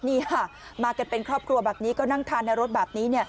นี่ค่ะมากันเป็นครอบครัวแบบนี้ก็นั่งทานในรถแบบนี้